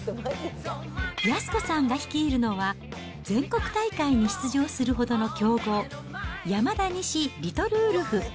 安子さんが率いるのは、全国大会に出場するほどの強豪、山田西リトルウルフ。